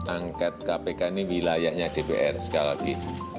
angket kpk ini wilayahnya dpr sekali lagi